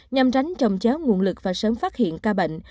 nhằm tránh trồng chéo nguồn lực và sớm phát hiện ca bệnh